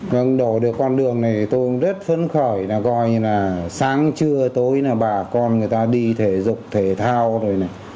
để đổ được con đường này tôi rất phấn khởi là coi như là sáng trưa tối là bà con người ta đi thể dục thể thao rồi này